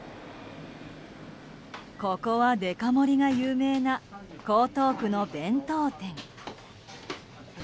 ここはデカ盛りが有名な江東区の弁当店。